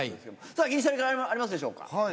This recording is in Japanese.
さあ、銀シャリ、ありますでしょうか？